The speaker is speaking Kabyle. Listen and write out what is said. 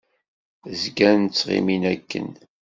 Zgan ttɣimin akken.